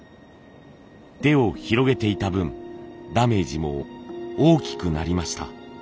手を広げていた分ダメージも大きくなりました。